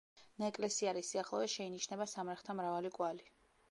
ნაეკლესიარის სიახლოვეს შეინიშნება სამარხთა მრავალი კვალი.